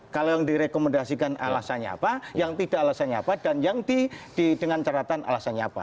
kalau yang direkomendasikan alasannya apa yang tidak alasannya apa dan yang dengan caratan alasannya apa